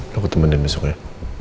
lo ketemuan dia besok ya